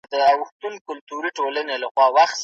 سفیران کله د مطبوعاتو ازادي تضمینوي؟